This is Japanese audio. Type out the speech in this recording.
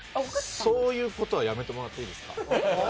そういうことはやめてもらっていいですか。